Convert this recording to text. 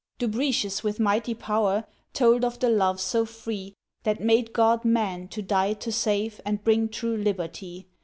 Dubritius, with mighty power, Told of the love so free, That made God Man to die to save, And bring true liberty.